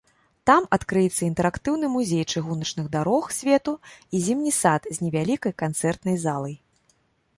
Там адкрыецца інтэрактыўны музей чыгуначных дарог свету і зімні сад з невялікай канцэртнай залай.